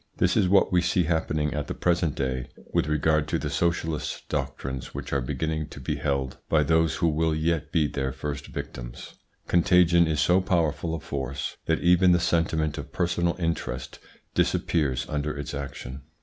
This is what we see happening at the present day with regard to the socialist doctrines which are beginning to be held by those who will yet be their first victims. Contagion is so powerful a force that even the sentiment of personal interest disappears under its action.